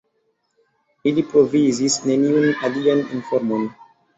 Ili provizis neniun alian informon.